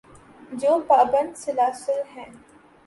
جو پابند سلاسل ہیں۔